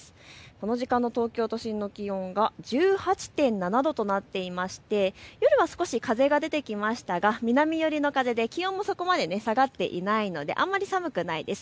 この時間の東京都心の気温が１８．７度となっていまして夜は少し風が出てきましたが南寄りの風で気温もそこまで下がっていないのであまり寒くないです。